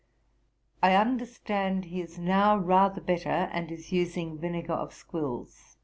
I understand he is now rather better, and is using vinegar of squills.